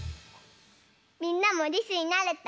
みんなもりすになれた？